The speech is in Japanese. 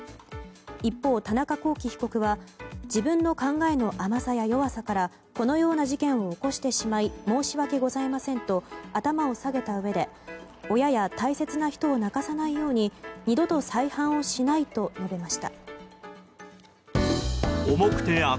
一方、田中聖被告は自分の考えの甘さや弱さからこのような事件を起こしてしまい申し訳ございませんと頭を下げたうえで親や大切な人を泣かさないように二度と再犯をしないと述べました。